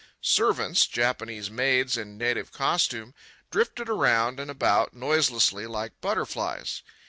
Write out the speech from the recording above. Servants—Japanese maids in native costume—drifted around and about, noiselessly, like butterflies.